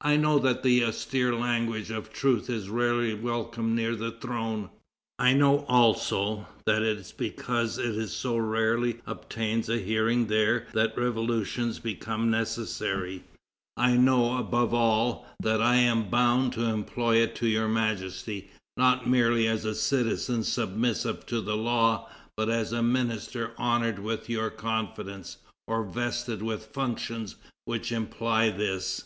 I know that the austere language of truth is rarely welcomed near the throne; I know, also, that it is because it so rarely obtains a hearing there that revolutions become necessary; I know, above all, that I am bound to employ it to Your Majesty, not merely as a citizen submissive to the law, but as a minister honored with your confidence, or vested with functions which imply this."